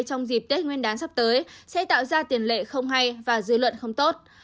trong dịp tết nguyên đán sắp tới sẽ tạo ra tiền lệ không hay và dư luận không tốt